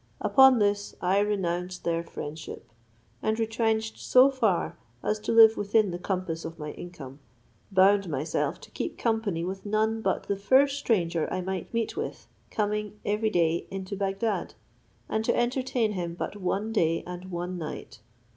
Upon this I renounced their friendship, and retrenched so far, as to live within the compass of my income, bound myself to keep company with none but the first stranger I might meet with coming every day into Bagdad, and to entertain him but one day and one night.